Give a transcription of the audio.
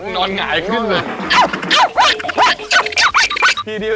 นอนหงายขึ้นเลย